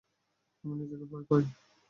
আমি নিজেকে ভয় পাই।